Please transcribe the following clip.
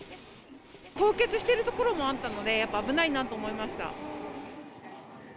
凍結してる所もあったので、やっぱ危ないなと思いました。